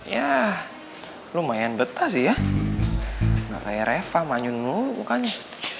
yah lumayan betah sih ya gak kayak reva manyun dulu bukannya